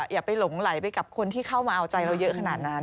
อย่าไปหลงไหลไปกับคนที่เข้ามาเอาใจเราเยอะขนาดนั้น